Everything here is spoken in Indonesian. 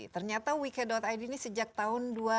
ternyata we care id ini sejak tahun dua ribu lima belas